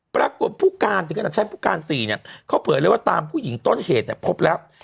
ปรากฏผู้การจึงกันอันชั้นผู้การสี่เนี่ยเขาเผยเลยว่าตามผู้หญิงต้นเหตุแบบพบแล้ว